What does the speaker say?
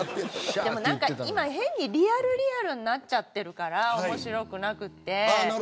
今、へんにリアルリアルになっちゃってるから面白くなくて。